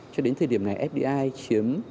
cho đến thời điểm này fdi chiếm